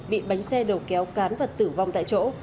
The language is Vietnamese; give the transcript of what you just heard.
bị bánh xe đầu kéo cán và tử vong tại chỗ